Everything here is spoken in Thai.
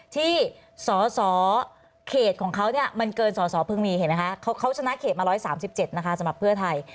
ที่สอสอเขตของเขาเนี่ยมันเกินสอสอเพิ่งมีเห็นไหมคะเขาเขาชนะเขตมาร้อยสามสิบเจ็ดนะคะสมัครเพื่อไทย